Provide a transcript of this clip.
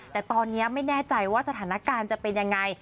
แต่ตอนนี้ไม่แน่ใจว่าสถานการณ์จะเป็นยังไง